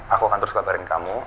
aku akan terus kabarin kamu